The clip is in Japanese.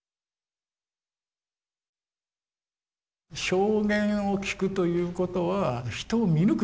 証言を聞くということは人を見抜く眼が必要だと。